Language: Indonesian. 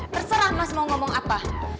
terserah mas mau ngomong apa